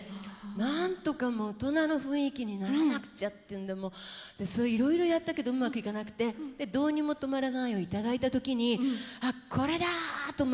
なんとか大人の雰囲気にならなくちゃっていうんでもうそういういろいろやったけどうまくいかなくて「どうにもとまらない」を頂いた時にこれだ！と思いましてね。